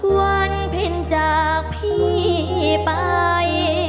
วันพินจากพี่ไป